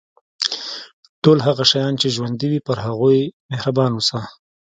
ټول هغه شیان چې ژوندي وي پر هغوی مهربان اوسه.